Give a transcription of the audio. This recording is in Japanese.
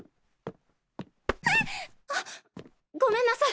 キャッ！あっごめんなさい！